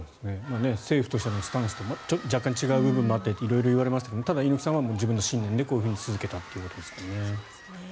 政府としてのスタンスと若干違う部分もあって色々言われましたがただ、猪木さんは自分の信念で続けたということですね。